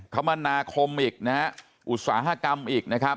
คมนาคมอีกนะฮะอุตสาหกรรมอีกนะครับ